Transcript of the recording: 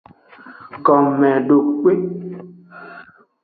Gomedokpe.